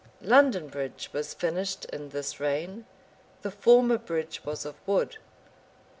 London bridge was finished in this reign: the former bridge was of wood.